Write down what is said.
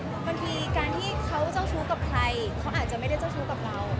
บางทีการที่เขาเจ้าชู้กับใครเขาอาจจะไม่ได้เจ้าชู้กับเรา